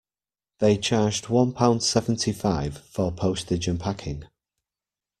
They charged one pound seventy-five for postage and packing